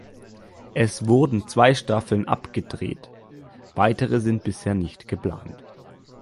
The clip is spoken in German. Es wurden zwei Staffeln abgedreht, weitere sind bisher nicht geplant.